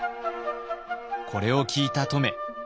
これを聞いた乙女。